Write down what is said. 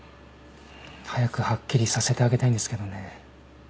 早くはっきりさせてあげたいんですけどね。